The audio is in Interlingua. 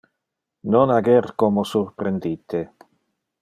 Non ager como surprendite.